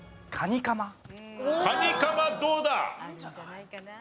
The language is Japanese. カニかまどうだ？